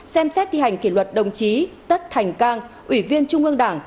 ba xem xét thi hành kỷ luật đồng chí tất thành cang ủy viên trung ương đảng